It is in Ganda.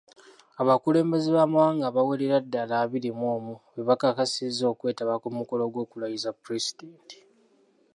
Abakulembeze b'amawanga abawerera ddala abiri mu omu be bakakasizza okwetaba ku mukolo gw'okulayiza Pulezidenti.